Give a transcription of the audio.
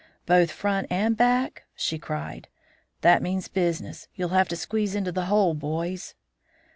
"'Both front and back?' she cried. 'That means business; you'll have to squeeze into the hole, boys.'